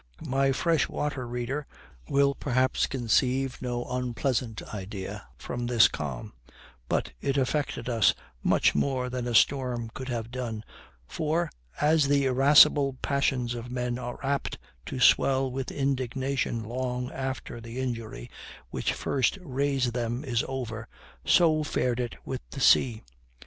My fresh water reader will perhaps conceive no unpleasant idea from this calm; but it affected us much more than a storm could have done; for, as the irascible passions of men are apt to swell with indignation long after the injury which first raised them is over, so fared it with the sea.